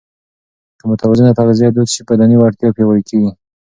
که متوازنه تغذیه دود شي، بدني وړتیا پیاوړې کېږي.